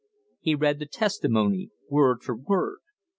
He read the testimony word for word.